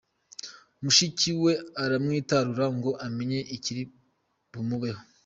Mushiki we aramwitarura ngo amenye ikiri bumubeho.